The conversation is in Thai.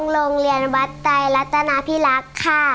โรงเรียนวัดไตรรัตนาพิรักษ์ค่ะ